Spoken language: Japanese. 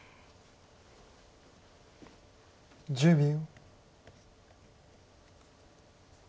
１０秒。